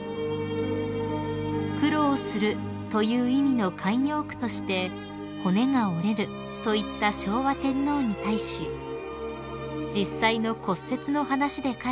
［「苦労する」という意味の慣用句として「骨が折れる」と言った昭和天皇に対し実際の骨折の話で返した山下選手］